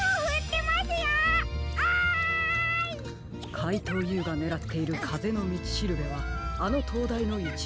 かいとうＵがねらっているかぜのみちしるべはあのとうだいのいちぶのようですね。